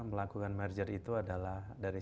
melakukan merger itu adalah dari